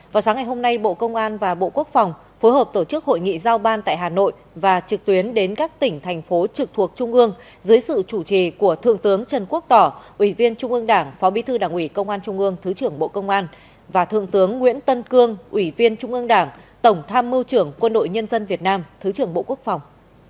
vào sáng ngày hôm nay bộ công an và bộ quốc phòng phối hợp tổ chức hội nghị giao ban tại hà nội và trực tuyến đến các tỉnh thành phố trực thuộc trung ương dưới sự chủ trì của thượng tướng trần quốc tỏ ủy viên trung ương đảng phó bí thư đảng ủy công an trung ương thứ trưởng bộ công an và thượng tướng nguyễn tân cương ủy viên trung ương đảng tổng tham mưu trưởng quân đội nhân dân việt nam thứ trưởng bộ quốc phòng